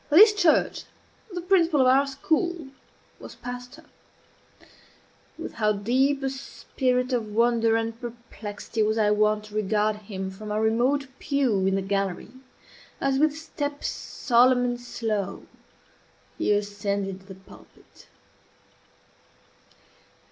Of this church the principal of our school was pastor. With how deep a spirit of wonder and perplexity was I wont to regard him from our remote pew in the gallery, as, with step solemn and slow, he ascended the pulpit!